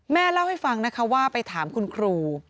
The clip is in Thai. เล่าให้ฟังนะคะว่าไปถามคุณครู